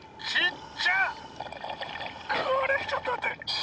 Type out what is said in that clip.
これちょっと待って。